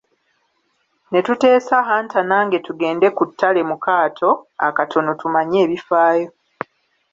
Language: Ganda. Ne tuteesa Hunter nange tugende ku ttale mu kaato akatono tumanye ebifaayo.